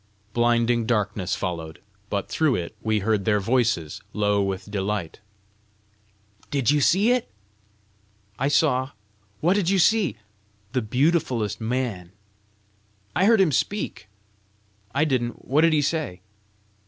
Blinding darkness followed, but through it we heard their voices, low with delight. "Did you see?" "I saw." "What did you see?" "The beautifullest man." "I heard him speak!" "I didn't: what did he say?"